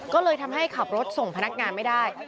ก็เลยทำให้ขับรถส่งพนักงานไม่ได้